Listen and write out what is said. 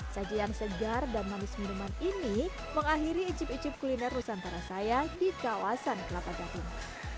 sajian segar dan manis minuman ini mengakhiri icip icip kuliner nusantara saya di kawasan kelapa gading